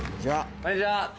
こんにちは！